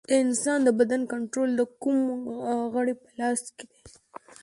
د انسان د بدن کنټرول د کوم غړي په لاس کې دی